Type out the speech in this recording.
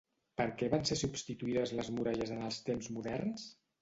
Per què van ser substituïdes les muralles en els temps moderns?